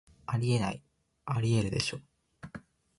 あり得ない、アリエールでしょ